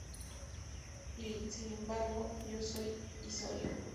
Y, sin embargo, yo soy Isolda.